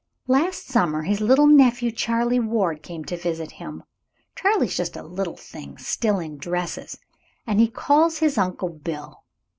"Last summer his little nephew, Charley Ward, came to visit him. Charley's just a little thing, still in dresses, and he calls his uncle, Bill.